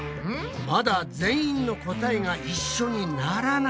まだ全員の答えが一緒にならない。